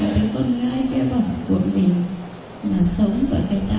là sống và tài tạo cho tốt